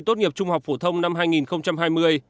tốt nghiệp trung học phổ thông năm hai nghìn hai mươi